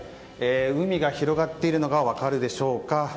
海が広がっているのが分かるでしょうか。